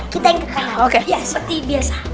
kita yang ke kanan seperti biasa